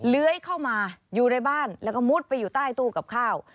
เลื้อยเข้ามาอยู่ในบ้านแล้วก็มุดไปอยู่ใต้ตู้กับข้าว